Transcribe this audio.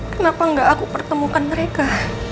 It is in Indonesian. kenapa enggak aku pertemukan mereka